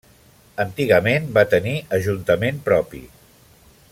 Antigament va tenir ajuntament propi.